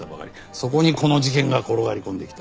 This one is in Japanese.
そこにこの事件が転がり込んできた。